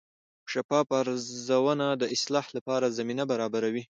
شفاف ارزونه د اصلاح لپاره زمینه برابروي.